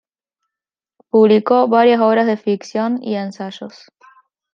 Publicó varias obras de ficción y ensayos.